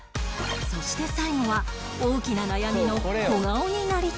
そして最後は大きな悩みの